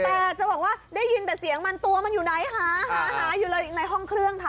แต่จะบอกว่าได้ยินแต่เสียงมันตัวมันอยู่ไหนหาหาอยู่เลยในห้องเครื่องค่ะ